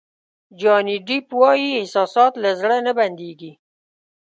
جاني دیپ وایي احساسات له زړه نه بندېږي.